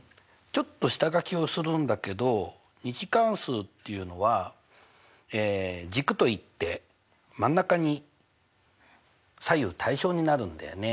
ちょっと下がきをするんだけど２次関数っていうのは軸といって真ん中に左右対称になるんだよね。